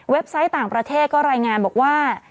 ไซต์ต่างประเทศก็รายงานบอกว่า